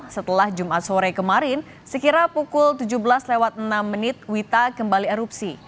setelah jumat sore kemarin sekira pukul tujuh belas lewat enam menit wita kembali erupsi